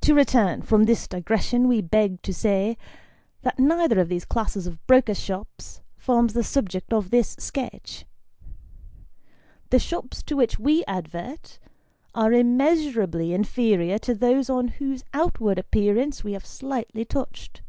To return from this digression, we beg to say, that neither of these classes of brokers' shops, forms the subject of this sketch. The shops to which we advert, are immeasurably inferior to those on whose out ward appearance we have slightly touched.